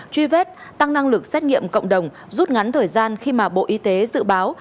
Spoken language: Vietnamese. truy vết tăng năng lực xét nghiệm cộng đồng rút ngắn thời gian khi mà bộ y tế dự báo